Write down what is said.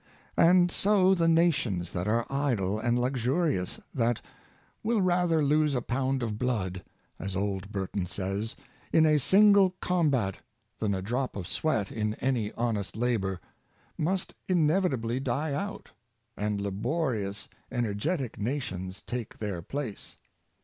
And so the nations that are idle and luxurious — that " will rather lose a pound of blood," as old Burton says, " in 86 Stability of Character. a single combat, than a drop of sweat in any honest labor "— must inevitably die out, and laborious, ener getic nations take their place.